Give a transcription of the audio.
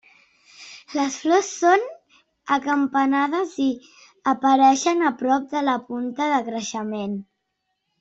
Les flors són acampanades i apareixen a prop de la punta de creixement.